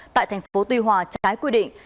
tại tp tuy hòa trái quy định